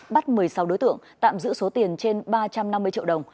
bắt một mươi sáu đối tượng tạm giữ số tiền trên ba trăm năm mươi triệu đồng